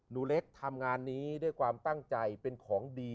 หนูเล็กทำงานนี้ด้วยความตั้งใจเป็นของดี